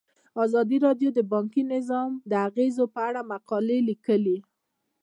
ازادي راډیو د بانکي نظام د اغیزو په اړه مقالو لیکلي.